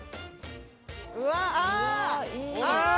ああ。